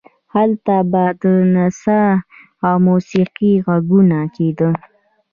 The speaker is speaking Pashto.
هلته به نڅا او موسیقي غږول کېده.